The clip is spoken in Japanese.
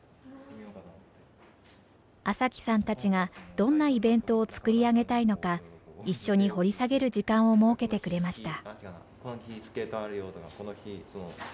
麻貴さんたちがどんなイベントを作り上げたいのか一緒に掘り下げる時間を設けてくれました。